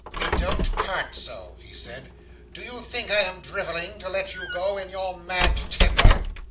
"We don't part so," he said. "Do you think I am drivelling, to let you go in your mad temper?"